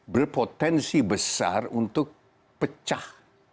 berpotensi besar untuk pecah